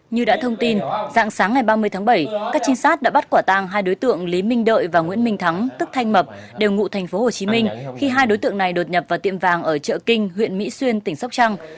như đã thông tin dạng sáng ngày ba mươi tháng bảy các trinh sát đã bắt quả tang hai đối tượng lý minh đợi và nguyễn minh thắng tức thanh mập đều ngụ tp hcm khi hai đối tượng này đột nhập vào tiệm vàng ở chợ kinh huyện mỹ xuyên tỉnh sóc trăng